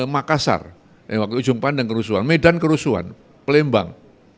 makassar yang waktu ujung pandang kerusuhan medan kerusuhan pelembang